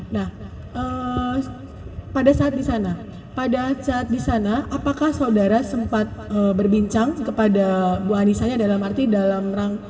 nah pada saat di sana pada saat di sana apakah saudara sempat berbincang kepada ibu anissanya dalam arti dalam rangka